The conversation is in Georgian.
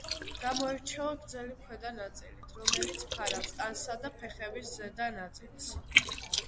გამოირჩევა გრძელი ქვედა ნაწილით, რომელიც ფარავს ტანსა და ფეხების ზედა ნაწილს.